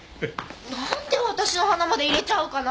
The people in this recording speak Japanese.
なんで私の花まで入れちゃうかな？